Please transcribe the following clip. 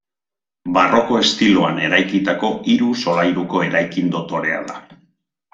Barroko estiloan eraikitako hiru solairuko eraikin dotorea da.